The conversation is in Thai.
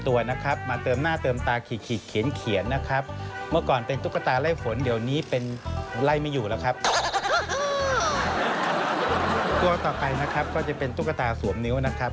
ตัวต่อไปนะครับก็จะเป็นตุ๊กตาสวมนิ้วนะครับ